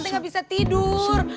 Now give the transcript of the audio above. tidak bisa tidur